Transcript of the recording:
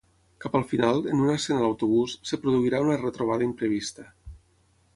Cap al final, en una escena a l'autobús, es produirà una retrobada imprevista.